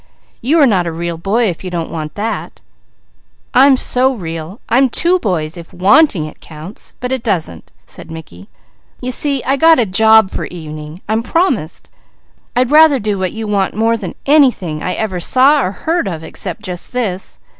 You are not a real boy if you don't want that!" "I'm so real, I'm two boys if wanting it counts, but it doesn't!" said Mickey. "You see I got a job for evening. I'm promised. I'd rather do what you want than anything I ever saw or heard of, except just this.